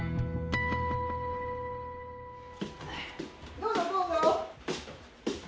どうぞどうぞ。